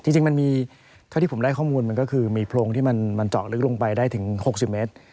จริงมันมีเท่าที่ผมได้ข้อมูลมันก็คือมีโพรงที่มันเจาะลึกลงไปได้ถึง๖๐เมตร